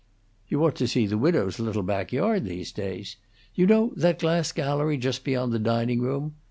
"You ought to see the widow's little back yard these days. You know that glass gallery just beyond the dining room?